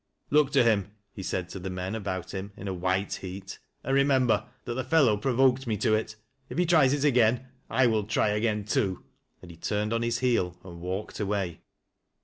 "Look to him," he said to the men about him, in a white heat, " and remember that the fellow provoked me to it. If he tries it again, I will try again too." A nd he turned on his heel and walked away.